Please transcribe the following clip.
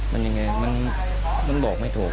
มันยังไงมันบอกไม่ถูก